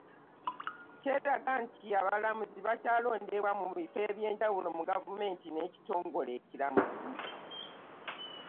Nkyeraga nti abalamuzi bakyalondebwa mu bifo eby’enjawulo mu gavumenti n’ekitongole ekiramuzi.